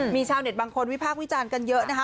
มีชาวเน็ตบางคนวิพากษ์วิจารณ์กันเยอะนะคะ